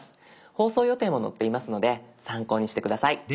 放送予定も載っていますので参考にして下さい。